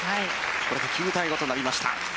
これで９対５となりました。